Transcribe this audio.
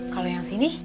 kalau yang sini